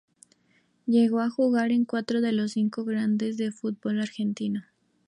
Llegó a jugar en cuatro de los cinco grandes del fútbol argentino.